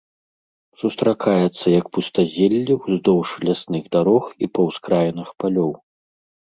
Сустракаецца як пустазелле ўздоўж лясных дарог і па ўскраінах палёў.